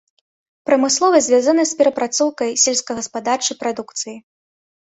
Прамысловасць звязаная з перапрацоўкай сельскагаспадарчай прадукцыі.